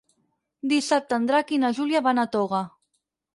Dissabte en Drac i na Júlia van a Toga.